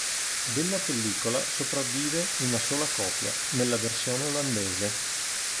Della pellicola sopravvive una sola copia, nella versione olandese.